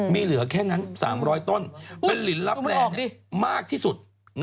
มีเหลือแค่นั้น๓๐๐ต้นเป็นลินรับแรงมากที่สุด